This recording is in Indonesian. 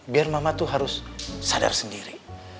biar mama tuh harus sadar sendiri